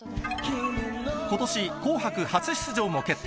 ことし、紅白初出場も決定。